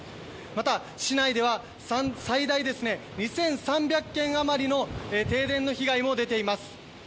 また、市内では最大で２３００軒余りの停電の被害も出ています。